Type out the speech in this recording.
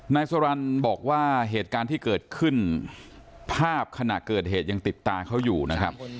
นายสรรค์บอกว่าเหตุการณ์ที่เกิดขึ้นภาพขณะเกิดเหตุยังติดตาเขาอยู่นะครับ